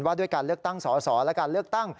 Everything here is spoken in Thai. ด้วยการเลือกตั้งสอสอและการเลือกตั้ง